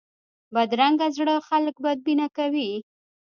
بدرنګه زړه خلک بدبینه کوي